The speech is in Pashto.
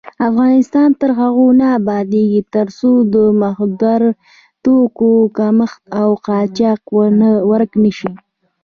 افغانستان تر هغو نه ابادیږي، ترڅو د مخدره توکو کښت او قاچاق ورک نشي.